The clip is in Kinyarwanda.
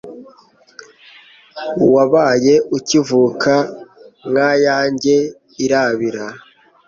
wabaye ukivuka nka yanjye irabira